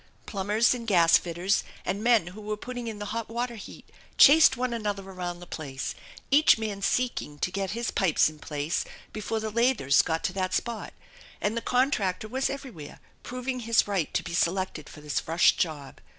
Plumbers and gas fitters and men who were putting in the hot water heat chased one another around the place, each Inan seeking to get his pipes in place before the lathers got to that spot; and the contractor was everywhere, proving his right to be selected for this rush job.